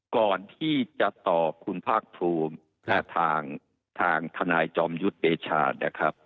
ก่อนที่จะตอบคุณภาคภูมิและทางทนายจอมยุทธ์เดชานะครับ